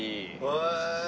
へえ。